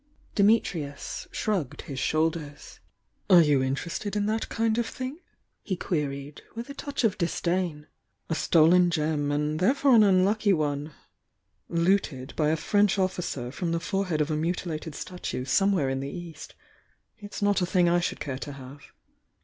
" Dimitrius shrugged his shoulders. And you are interested in that kind of thine?" he queried, with a touch of disdain. "A stolen gem and therefore an unlucky one 'looted' by a French oftcer from the forehead of a mutilated statue some where m the East. It's not a thing I should care to have.